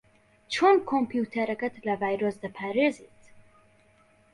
چۆن کۆمپیوتەرەکەت لە ڤایرۆس دەپارێزیت؟